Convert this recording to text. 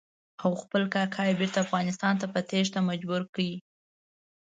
او خپل کاکا یې بېرته افغانستان ته په تېښته مجبور کړ.